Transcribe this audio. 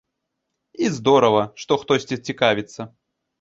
І здорава, што хтосьці цікавіцца.